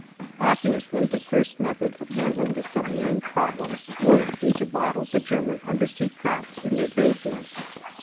Obviously, the first method of handling the submarine problem would be to bottle the German undersea craft in their bases.